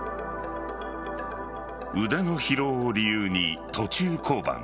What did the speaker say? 腕の疲労を理由に途中降板。